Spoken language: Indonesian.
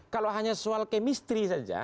kalau hanya soal kemistri saja